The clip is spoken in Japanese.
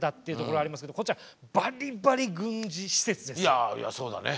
いやあいやそうだね。